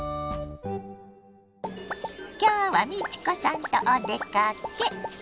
今日は美智子さんとお出かけ。